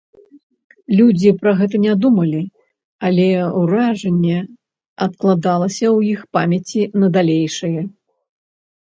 Людзі пра гэта не думалі, але ўражанне адкладалася ў іх памяці на далейшае.